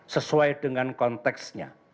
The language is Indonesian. sesuai dengan konteksnya